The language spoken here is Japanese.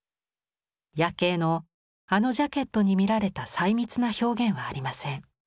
「夜警」のあのジャケットに見られた細密な表現はありません。